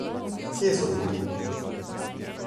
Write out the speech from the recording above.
Kje so drugi?